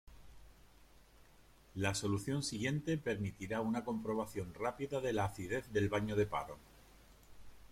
La solución siguiente permitirá una comprobación rápida de la acidez del baño de paro.